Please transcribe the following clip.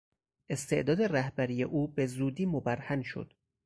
استعداد رهبری او به زودی مبرهن شد.